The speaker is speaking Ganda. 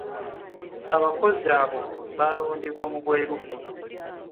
Abakozi abo baalondebwa mu bwerufu?